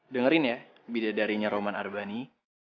dengerin ya bidadarinya roman arbani